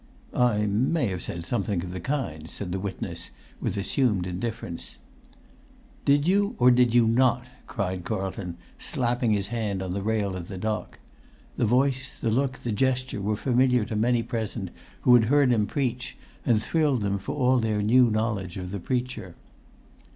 "I may have said something of the kind," said the witness, with assumed indifference. "Did you, or did you not?" cried Carlton, slapping his hand on the rail of the dock; the voice, the look, the gesture were familiar to many present who had heard him preach; and thrilled them for all their new knowledge of the preacher.